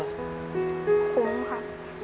คุ้มค่ะ